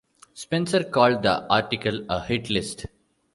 Spencer called the article a "hit list".